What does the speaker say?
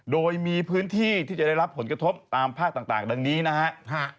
โดยมีพื้นที่ที่จะได้รับผลกระทบตามภาคต่างดังนี้นะครับ